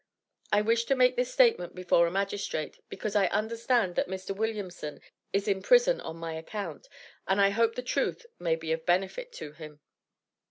I wish to make this statement before a magistrate, because I understand that Mr. Williamson is in prison on my account, and I hope the truth may be of benefit to him."